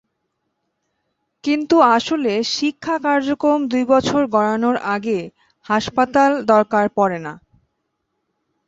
কিন্তু আসলে শিক্ষা কার্যক্রম দুই বছর গড়ানোর আগে হাসপাতাল দরকার পড়ে না।